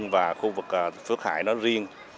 và khu vực phước hải riêng